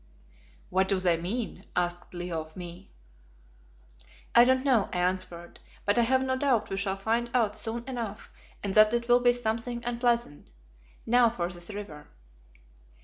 "What do they mean?" asked Leo of me. "I don't know," I answered; "but I have no doubt we shall find out soon enough and that it will be something unpleasant. Now for this river."